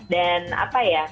dan apa ya